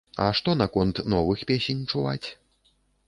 А што наконт новых песень чуваць?